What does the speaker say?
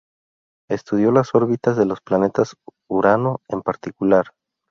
Estudió las órbitas de los planetas, Urano en particular.